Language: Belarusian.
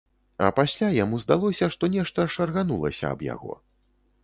А пасля яму здалося, што нешта шарганулася аб яго.